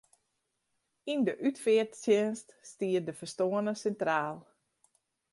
Yn de útfearttsjinst stiet de ferstoarne sintraal.